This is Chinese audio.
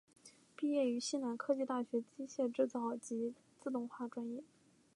毕业于西南科技大学机械制造及自动化专业。